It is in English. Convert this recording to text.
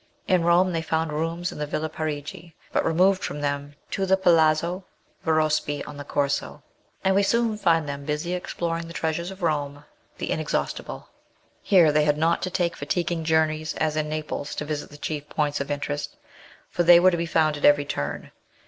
In Rome they found rooms in the Villa Parigi, hut removed from them to the Palazzo Verospi on the Corso, and we soon find them busy exploring the treasures of Rome the inexhaustible. Here they had not to take fatiguing journeys as in Naples to visit the chief points of interest, for they were to be found at every turn.